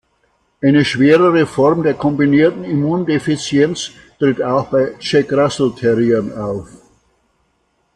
Eine schwerere Form der kombinierten Immundefizienz tritt auch bei Jack Russell Terriern auf.